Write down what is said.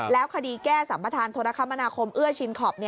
แล้วคดีแก้สัมประธานโทรคมนาคมเอื้อชินคอป